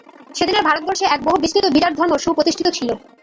সেদিনের ভারতবর্ষে এক বহুবিস্তৃত বিরাট ধর্ম সুপ্রতিষ্ঠিত ছিল।